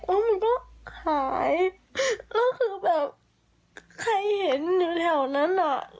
มันก็หายแล้วคือแบบใครเห็นอยู่แถวนั้นอ่ะ